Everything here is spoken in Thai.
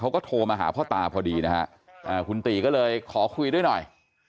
เขาก็โทรมาหาพ่อตาพอดีนะฮะคุณตีก็เลยขอคุยด้วยหน่อย